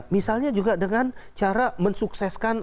misalnya juga dengan cara mensukseskan